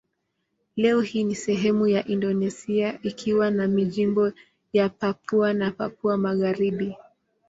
Leo hii ni sehemu ya Indonesia ikiwa ni majimbo ya Papua na Papua Magharibi.